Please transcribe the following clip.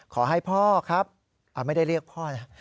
ขอให้พ่อครับไม่ได้เรียกพ่อนะ